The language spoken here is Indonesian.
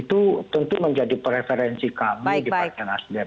itu tentu menjadi preferensi kami di partai nasdem